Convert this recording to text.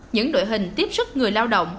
những đội hình tiếp sức người lao động